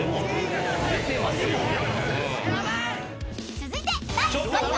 ［続いて第５位は］